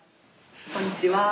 こんにちは。